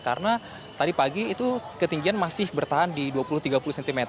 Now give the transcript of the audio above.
karena tadi pagi itu ketinggian masih bertahan di dua puluh tiga puluh cm